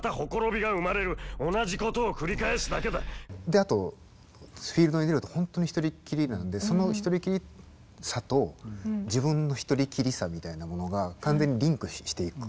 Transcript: あとフィールドに出るとほんとに一人きりなんでその一人きりさと自分の一人きりさみたいなものが完全にリンクしていく。